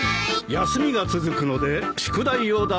休みが続くので宿題を出そうと思う。